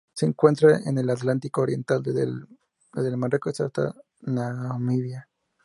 Se encuentra en el Atlántico oriental: desde el Marruecos hasta Namibia.